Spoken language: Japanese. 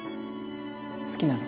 好きなの？